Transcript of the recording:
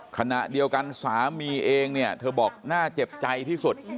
ขณะเดียวกันสามีเองเนี่ยเธอบอกน่าเจ็บใจที่สุด